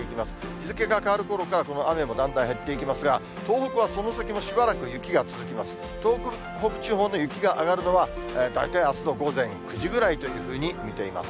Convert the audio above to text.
日付が変わるころから、この雨もだんだん減っていきますが、東北はその先もしばらく雪が続きます。